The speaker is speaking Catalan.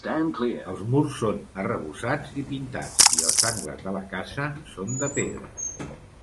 Els murs són arrebossats i pintats i els angles de la casa són de pedra.